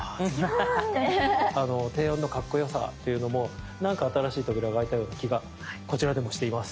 低音のカッコよさっていうのもなんか新しい扉が開いたような気がこちらでもしています。